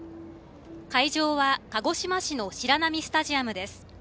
会場は鹿児島市の白波スタジアムです。